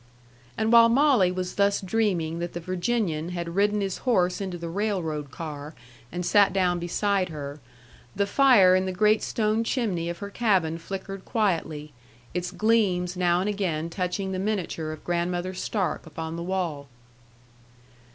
And while Molly was thus dreaming that the Virginian had ridden his horse into the railroad car, and sat down beside her, the fire in the great stone chimney of her cabin flickered quietly, its gleams now and again touching the miniature of Grandmother Stark upon the wall.